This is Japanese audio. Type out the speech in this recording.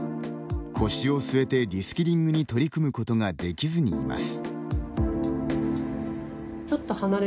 腰を据えて、リスキリングに取り組むことができずにいます。